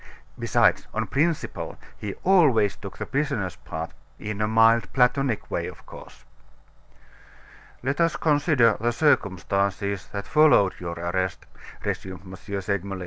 Besides, on principle, he always took the prisoner's part, in a mild, Platonic way, of course. "Let us consider the circumstances that followed your arrest," resumed M. Segmuller.